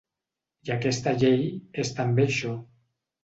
I aquesta llei és també això.